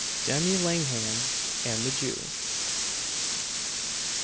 JEMMY LENNAM AND THE JEW.